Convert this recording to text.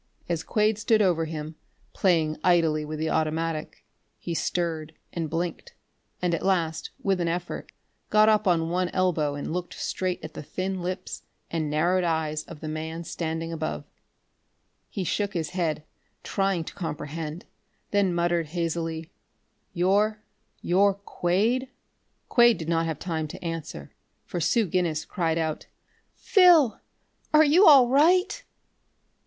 As Quade stood over him, playing idly with the automatic, he stirred, and blinked, and at last, with an effort, got up on one elbow and looked straight at the thin lips and narrowed eyes of the man standing above. He shook his head, trying to comprehend, then muttered hazily: "You you're Quade?" Quade did not have time to answer, for Sue Guinness cried out: "Phil! Are you all right?"